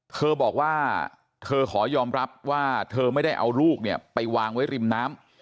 เธอบอกว่าเธอขอยอมรับว่าเธอไม่ได้เอาลูกเนี่ยไปวางไว้ริมน้ำ